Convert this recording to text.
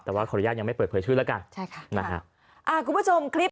แต่ว่าขออนุญาตยังไม่เปิดเผยชื่อแล้วกันนะครับ